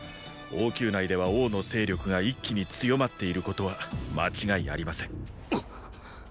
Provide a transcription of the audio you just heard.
王宮内では王の勢力が一気に強まっていることは間違いありません。！